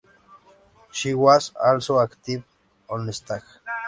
She was also active on stage.